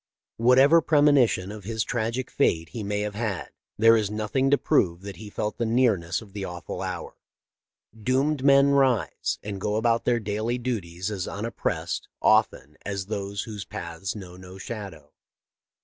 " Whatever premonition of his tragic fate he may have had, there is nothing to prove that he felt the nearness of the awful hour. Doomed men rise and go about their daily duties as unoppressed, often, as those whose paths know no shadow.